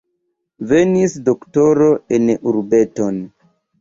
Venis doktoro en urbeton.